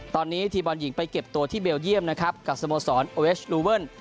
ตอนนี้ทีมบอลหญิงไปเก็บตัวที่เบลเยี่ยมนะครับกับสโมสรโอเวชลูเวิล